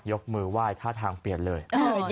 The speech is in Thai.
ยกมือไหว้ท่าทางเปลี่ยนเลย